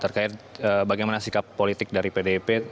terkait bagaimana sikap politik dari pdip